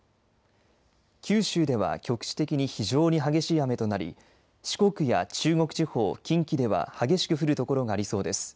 九州では局地的に非常に激しい雨となり四国や中国地方、近畿では激しく降るところがありそうです。